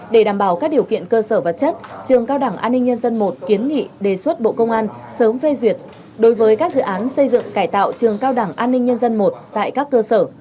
để đảm bảo các điều kiện cơ sở vật chất trường cao đảng an ninh nhân dân một kiến nghị đề xuất bộ công an sớm phê duyệt đối với các dự án xây dựng cải tạo trường cao đẳng an ninh nhân dân i tại các cơ sở